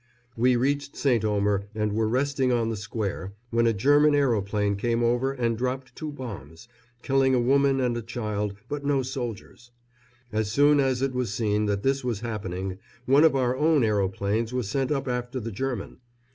We reached St. Omer and were resting on the square, when a German aeroplane came over and dropped two bombs, killing a woman and a child, but no soldiers. As soon as it was seen that this was happening, one of our own aeroplanes was sent up after the German.